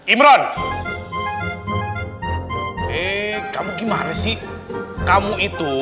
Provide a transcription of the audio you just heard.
imran eh kamu gimana sih kamu itu